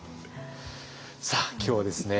さあ今日はですね